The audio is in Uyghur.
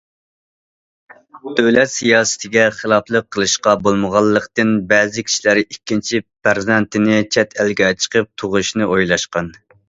دۆلەت سىياسىتىگە خىلاپلىق قىلىشقا بولمىغانلىقتىن، بەزى كىشىلەر ئىككىنچى پەرزەنتىنى چەت ئەلگە چىقىپ تۇغۇشنى ئويلاشقان.